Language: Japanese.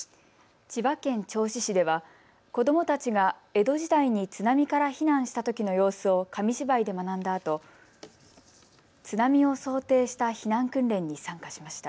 千葉県銚子市では子どもたちが江戸時代に津波から避難したときの様子を紙芝居で学んだあと津波を想定した避難訓練に参加しました。